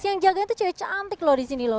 yang jaganya tuh cewek cantik loh di sini loh